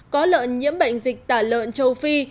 có lợn nhiễm bệnh dịch tả lợn châu phi